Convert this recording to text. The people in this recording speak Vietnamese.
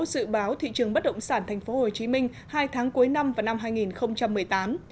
dự báo thị trường bất động sản tp hcm hai tháng cuối năm và năm hai nghìn một mươi tám